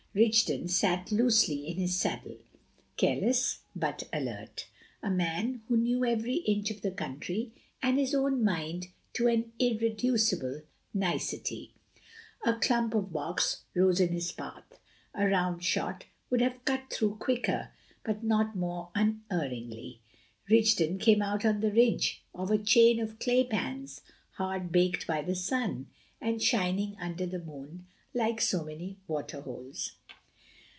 Rigden sat loosely in his saddle, careless but alert, a man who knew every inch of the country, and his own mind to an irreducible nicety. A clump of box rose in his path; a round shot would have cut through quicker, but not more unerringly. Rigden came out on the edge of a chain of clay pans, hard baked by the sun, and shining under the moon like so many water holes.